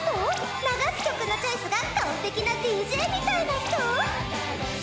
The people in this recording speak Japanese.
流す曲のチョイスが完璧なＤＪみたいな人？